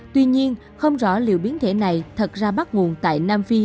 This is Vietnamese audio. tuy nhiên không rõ liệu biến thể này thật ra bắt nguồn tại nam phi